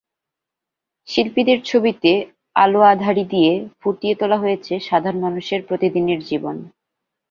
শিল্পীদের ছবিতে আলো-আঁধারি দিয়ে ফুটিয়ে তোলা হয়েছে সাধারণ মানুষের প্রতিদিনের জীবন।